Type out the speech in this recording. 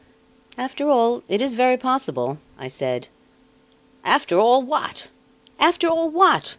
"After all it is very possible," I said. "After all what? After all what?"